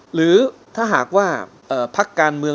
หรือถ้าหากว่าพักการเมือง